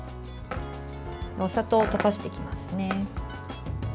お砂糖を溶かしていきますね。